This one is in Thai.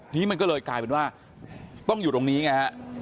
ทีนี้มันก็เลยกลายเป็นว่าต้องอยู่ตรงนี้ไงฮะ